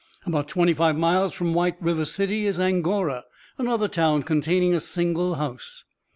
About twenty five miles from White River City is Angora, another town containing a single house.